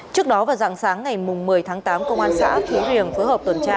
trước đó vào dạng sáng ngày một mươi tháng tám công an xã phú riềng phối hợp tuần tra